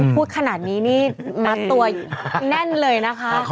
พูดขนาดนี้นี่มัดตัวแน่นเลยนะคะ